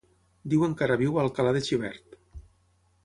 Diuen que ara viu a Alcalà de Xivert.